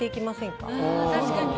確かに。